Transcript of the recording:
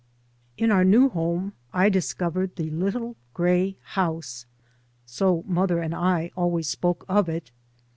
In our new home I discovered the " little grey house." So mother and I always spoke of it.